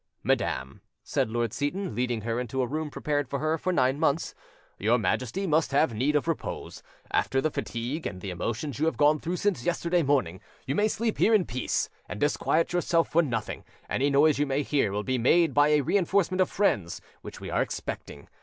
"Madam," said Lord Seyton, leading her into a room prepared for her for nine months, "your Majesty must have need of repose, after the fatigue and the emotions you have gone through since yesterday morning; you may sleep here in peace, and disquiet yourself for nothing: any noise you may hear will be made by a reinforcement of friends which we are expecting.